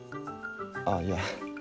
ああいや